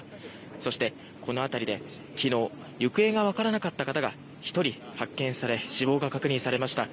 そして、この辺りで昨日行方がわからなかった方が１人発見され死亡が確認されました。